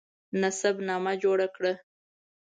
نسب نامه جوړه کړه.